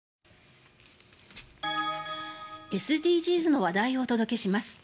ＳＤＧｓの話題をお届けします。